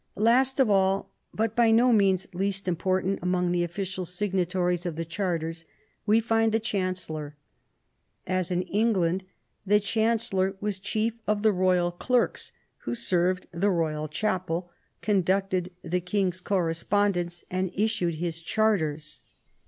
Last of all, but by no means least important, among the official signatories of the charters we find the chancellor. As in England, the chancellor was chief of the royal clerks, who served the royal chapel, conducted the king's correspondence, and issued his charters.